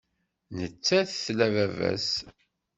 Nettat tla baba-s.